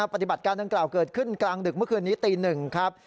ปฏิบัติการดังกล่าวเกิดขึ้นกลางดึกเมื่อคืนนี้ตี๑ครับ